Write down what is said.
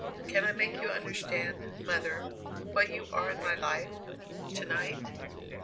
Can I make you understand, mother, what you are in my life to night?"